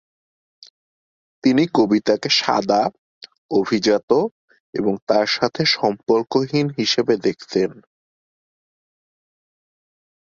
তিনি কবিতাকে সাদা, অভিজাত এবং তার সাথে সম্পর্কহীন হিসাবে দেখতেন।